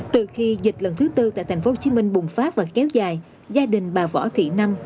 từ khi dịch lần thứ tư tại tp hcm bùng phát và kéo dài gia đình bà võ thị năm